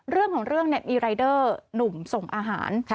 เรื่องของเรื่องมีรายเดอร์หนุ่มส่งอาหาร